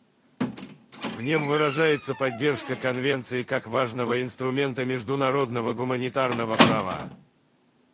В нем выражается поддержка Конвенции как важного инструмента международного гуманитарного права.